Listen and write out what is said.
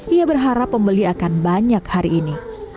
ia berharap pembeli akan banyak hari ini